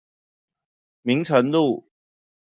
明誠路